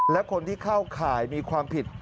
และคนที่เข้าข่ายมีความผิด